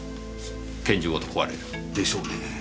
拳銃ごと壊れる。でしょうね。